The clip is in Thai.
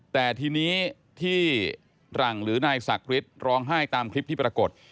แต่ทีนี้ที่หลังหรือนายศักดิ์ร้องไห้ตามคลิปที่ปรากฏ